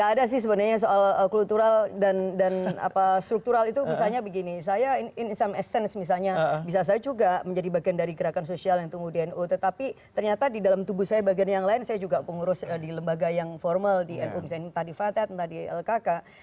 gak ada sih sebenarnya soal kultural dan struktural itu misalnya begini saya in i some estence misalnya bisa saya juga menjadi bagian dari gerakan sosial yang tumbuh di nu tetapi ternyata di dalam tubuh saya bagian yang lain saya juga pengurus di lembaga yang formal di nu misalnya entah di fathad entah di lkk